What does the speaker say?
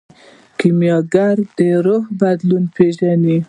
کیمیاګر د روح بدلون پیژني.